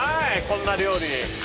こんな料理。